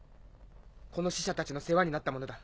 この死者たちの世話になった者だ。